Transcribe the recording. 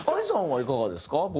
ＡＩさんはいかがですか？